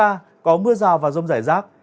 tầm nhìn xa có mưa rào và rông rải rác